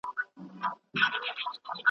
او نه معنوي مرسته ورسره کړې ده `